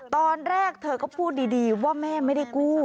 ตอนแรกเธอก็พูดดีว่าแม่ไม่ได้กู้